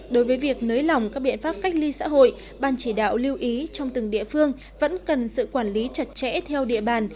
đối với việc nới lỏng các biện pháp cách ly xã hội ban chỉ đạo lưu ý trong từng địa phương vẫn cần sự quản lý chặt chẽ theo địa bàn